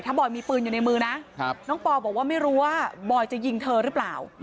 บอยมีปืนอยู่ในมือนะน้องปอบอกว่าไม่รู้ว่าบอยจะยิงเธอหรือเปล่า